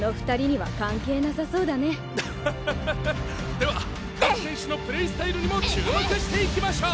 では各選手のプレースタイルにも注目していきましょう！